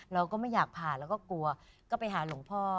เราก็ไม่อยากผ่าเราก็กลัวก็ไปหาหลวงพ่อ